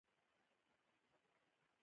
هوښیار انسان تل په غم او فکر کې وي.